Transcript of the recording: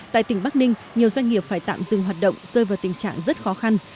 tại tỉnh bắc ninh nhiều doanh nghiệp phải tạm dừng hoạt động rơi vào tình trạng rất khó khăn